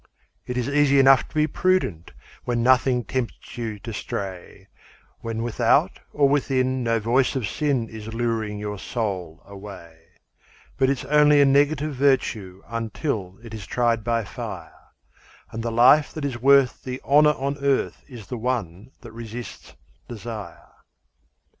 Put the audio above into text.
It is easy enough to be prudent When nothing tempts you to stray, When without or within no voice of sin Is luring your soul away; But it's only a negative virtue Until it is tried by fire, And the life that is worth the honour on earth Is the one that resists desire.